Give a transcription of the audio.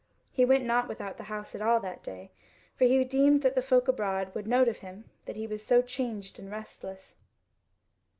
He went not without the house at all that day, for he deemed that the folk abroad would note of him that he was so changed and restless.